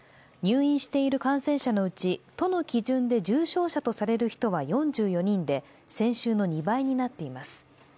入院している感染者のうち、都の基準で重症者とされる人は４４人で先週の２倍になっています。